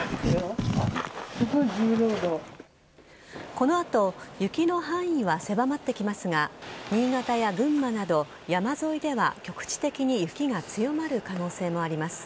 この後雪の範囲は狭まってきますが新潟や群馬など山沿いでは局地的に雪が強まる可能性もあります。